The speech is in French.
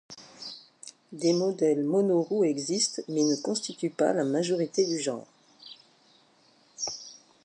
Des modèles mono-roues existent mais ne constituent pas la majorité du genre.